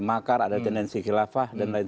makar ada tendensi khilafah dan lain